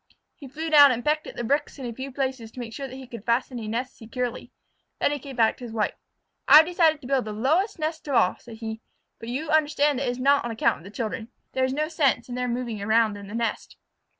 He flew down and pecked at the bricks in a few places to make sure that he could fasten a nest securely. Then he came back to his wife. "I have decided to build the lowest nest of all," said he, "but you understand it is not on account of the children. There is no sense in their moving around in the nest."